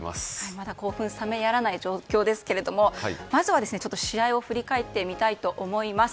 まだ興奮冷めやらない状況ですがまずは、試合を振り返ってみたいと思います。